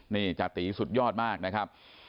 นี่จติสุดยอดมากนะครับ